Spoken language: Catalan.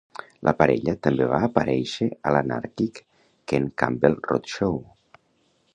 La parella també va aparèixer a l'anàrquic Ken Campbell Road Show.